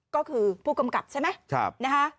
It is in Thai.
ก็คือผู้กำกัดใช่ไหมนะฮะครับ